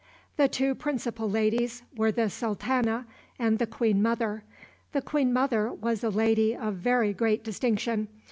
The two principal ladies were the sultana and the queen mother. The queen mother was a lady of very great distinction.